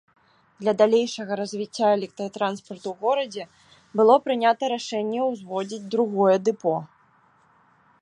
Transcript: Для далейшага развіцця электратранспарту ў горадзе было прынята рашэнне ўзводзіць другое дэпо.